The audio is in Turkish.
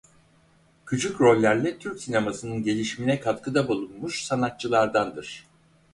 Küçük rollerle Türk sinemasının gelişimine katkıda bulunmuş sanatçılardandır.